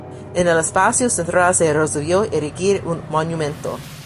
En el espacio central se resolvió erigir un monumento.